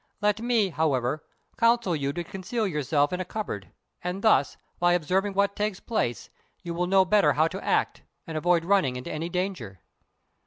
Let me, however, counsel you to conceal yourself in a cupboard, and thus, by observing what takes place, you will know better how to act, and avoid running into any danger."